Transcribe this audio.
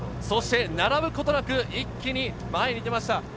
そして並ぶことなく一気に前に出ました。